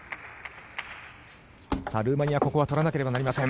ルーマニアここは取らなければなりません。